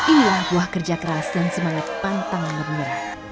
inilah buah kerja keras dan semangat pantang yang benar